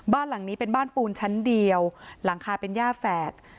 บ้านหลังนี้เป็นบ้านปูนชั้นเดียวหลังคาเป็นย่าแฝด